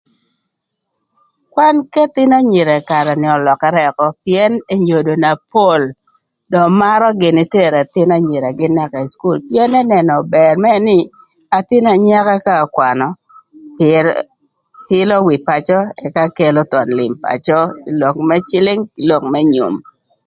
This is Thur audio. Kwan k'ëthïn anyira ï karë ni ölökërë ökö pïën enyodo na pol dö marö gïnï tero ëthïn anyiragï naka ï cukul pïën ënënö bër mërë nï athïn anyaka ka ökwanö myero pïlö wi pacö cë kelo thon lïm pacö ï lok më cïlïng kï lok më nyom.